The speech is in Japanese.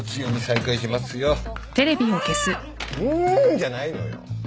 「ん！」じゃないのよ。